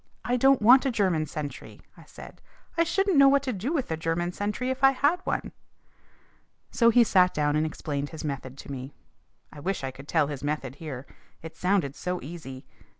"I don't want a German sentry," I said. "I shouldn't know what to do with a German sentry if I had one." So he sat down and explained his method to me. I wish I could tell his method here. It sounded so easy.